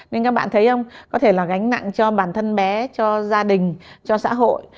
nên các bạn thấy ông có thể là gánh nặng cho bản thân bé cho gia đình cho xã hội